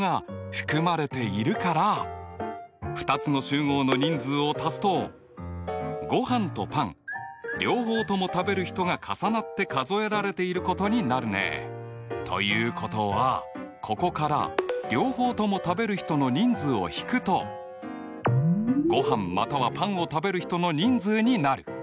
含まれているから２つの集合の人数を足すとごはんとパン両方とも食べる人が重なって数えられていることになるね。ということはここから両方とも食べる人の人数を引くとごはんまたはパンを食べる人の人数になる。